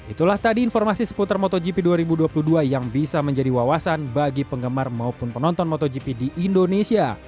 itulah tadi informasi seputar motogp dua ribu dua puluh dua yang bisa menjadi wawasan bagi penggemar maupun penonton motogp di indonesia